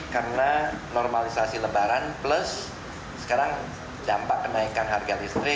karena normalisasi lebaran plus sekarang dampak kenaikan harga listrik